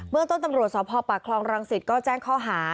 เมืองต้นตำรวจสพปากคลองรังสิตก็แจ้งข้อหา